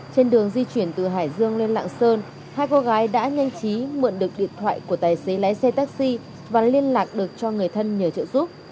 trên đường di chuyển từ hải dương lên lạng sơn hai cô gái đã nhanh chí mượn được điện thoại của tài xế lái xe taxi và liên lạc được cho người thân nhờ trợ giúp